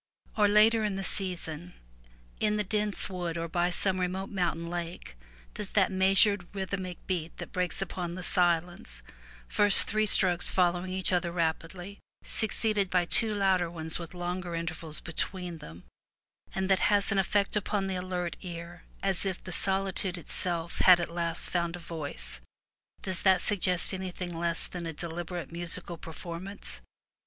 Or, later in the season, in the dense forest or by some remote mountain lake, does that meas ured rhythmic beat that breaks upon the silence, first three strokes following each other rapidly, succeeded by two louder ones with longer intervals between them, and that has an effect upon the alert ear as if the solitude itself had at last found a voice — does that suggest anything less than a deliberate musical per formance?